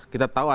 kita tahu ada